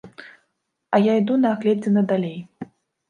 А я іду на агледзіны далей.